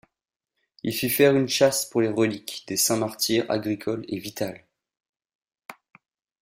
Il fit faire une châsse pour les reliques des saints martyrs Agricole et Vital.